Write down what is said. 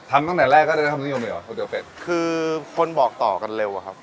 ทำตั้งแต่แรกก็ได้ต่อความนิยมเลยหรอเตี๋ยวเป็ดคือคนบอกต่อกันเร็วอะครับ